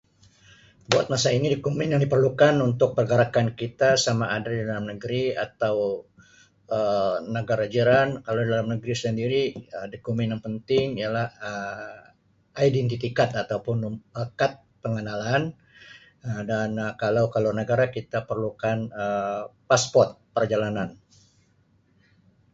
Buat masa ini dokumen yang diperlukan untuk pergerakan kita sama ada di dalam negeri atau Um negara jiran kalau dalam negeri sendiri dokumen penting ialah Um identiti kad atau pun kad pengenalan dan Um kalau kalau negara kita perlukan passport perjalanan.